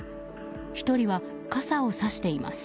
１人は傘をさしています。